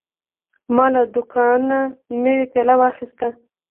ما له دوکانه نوی پیاله واخیسته.